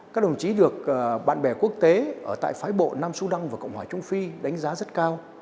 các đồng chí được bạn bè quốc tế ở tại phái bộ nam sudan và cộng hòa trung phi đánh giá rất cao